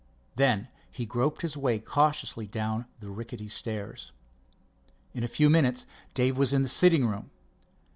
Then he groped his way cautiously down the rickety stairs. In a few minutes Dave was in the sitting room.